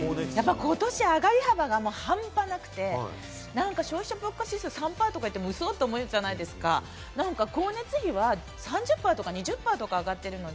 今年、上がり幅が半端なくて、消費者物価指数が３％とか言っても、ウソ？とか思うじゃないですか、光熱費は３０％とか２０％上がってるので。